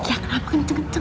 ya kenapa kenceng kenceng